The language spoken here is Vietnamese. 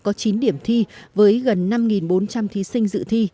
có chín điểm thi với gần năm bốn trăm linh thí sinh dự thi